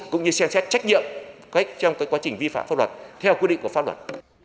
cũng như xem xét trách nhiệm trong quá trình vi phạm pháp luật theo quy định của pháp luật